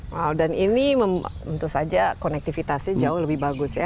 wow dan ini tentu saja konektivitasnya jauh lebih bagus ya